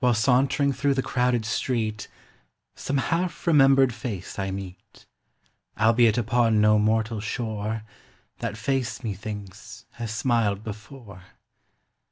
While sauntering through the crowded street, Some half remembered face I meet, Albeit upon no mortal shore That face, methinks, has smiled before.